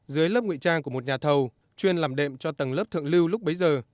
dưới lớp ngụy trang của một nhà thầu chuyên làm đệm cho tầng lớp thượng lưu lúc bấy giờ